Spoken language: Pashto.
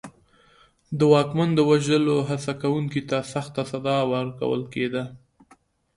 د واکمن د وژلو هڅه کوونکي ته سخته سزا ورکول کېده.